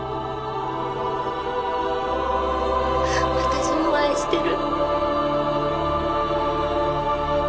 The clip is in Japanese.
私も愛してる。